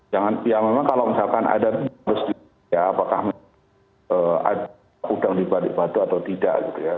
ya memang kalau misalkan ada tulus di sini ya apakah ada udang di balik batu atau tidak gitu ya